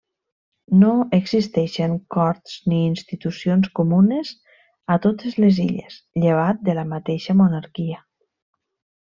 No existeixen corts ni institucions comunes a totes les Illes, llevat de la mateixa monarquia.